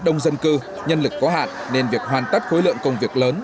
đông dân cư nhân lực có hạn nên việc hoàn tất khối lượng công việc lớn